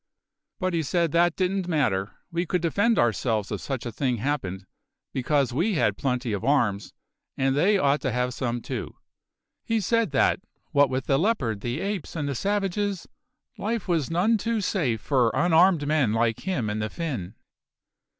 But he said that didn't matter; we could defend ourselves if such a thing happened, because we had plenty of arms; and they ought to have some too. He said that, what with the leopard, the apes, and the savages, life was none too safe for unarmed men like him and the Finn."